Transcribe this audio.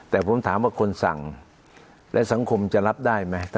แต่ผมถามว่าคนสั่งและสังคมจะรับได้ไหม